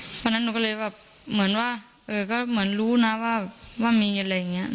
เพราะฉะนั้นหนูก็เลยแบบเหมือนว่าก็เหมือนรู้นะว่ามีอะไรอย่างนี้